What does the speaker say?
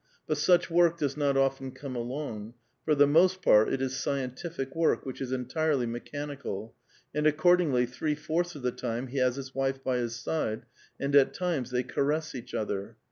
But such work does not often come along ; for the most part, it is scientific work, which is entirely mechanical, and accordingly three fourths of the time he has his wife by his side, and at times they caress each other.